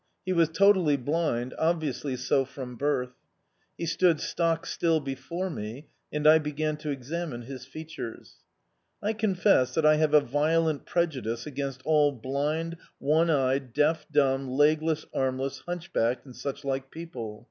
He was totally blind, obviously so from birth. He stood stock still before me, and I began to examine his features. I confess that I have a violent prejudice against all blind, one eyed, deaf, dumb, legless, armless, hunchbacked, and such like people.